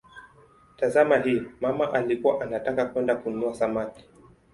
Tazama hii: "mama alikuwa anataka kwenda kununua samaki".